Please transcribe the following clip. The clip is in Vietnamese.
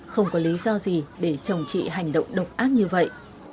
không có lý do gì để chồng chị hành động độc ác như vậy